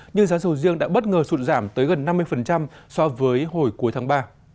nhưng giá sầu riêng đã bất ngờ sụt giảm tới gần năm mươi so với hồi cuối tháng ba